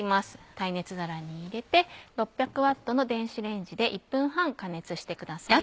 耐熱皿に入れて６００Ｗの電子レンジで１分半加熱してください。